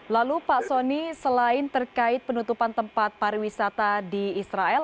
lalu pak soni selain terkait penutupan tempat pariwisata di israel